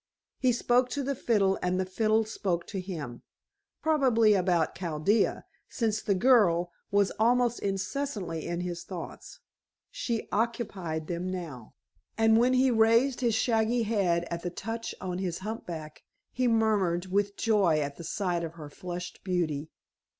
He spoke to the fiddle and the fiddle spoke to him, probably about Chaldea, since the girl was almost incessantly in his thoughts. She occupied them now, and when he raised his shaggy head at the touch on his hump back, he murmured with joy at the sight of her flushed beauty.